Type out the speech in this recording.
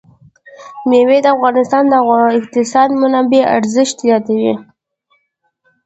مېوې د افغانستان د اقتصادي منابعو ارزښت زیاتوي.